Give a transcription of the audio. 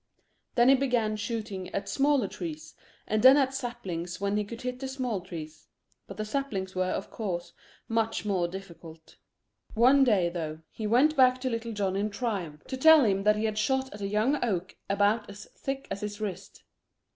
Then he began shooting at smaller trees, and then at saplings when he could hit the small trees. But the saplings were, of course, much more difficult. One day though, he went back to Little John in triumph to tell him that he had shot at a young oak about as thick as his wrist.